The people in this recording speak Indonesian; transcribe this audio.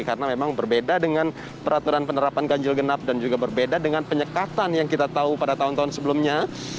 karena memang berbeda dengan peraturan penerapan ganjil genap dan juga berbeda dengan penyekatan yang kita tahu pada tahun tahun sebelumnya